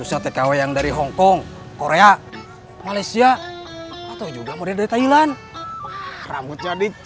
sampai jumpa di video selanjutnya